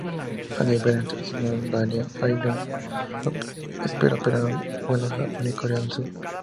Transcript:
A nivel internacional, Dalian Airlines espera operar vuelos a Japón y Corea del Sur.